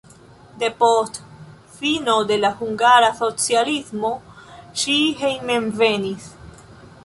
Depost fino de la hungara socialismo ŝi hejmenvenis.